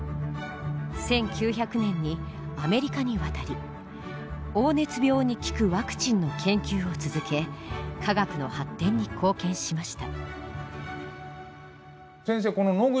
１９００年にアメリカに渡り黄熱病に効くワクチンの研究を続け科学の発展に貢献しました。